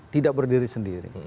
tidak berdiri sendiri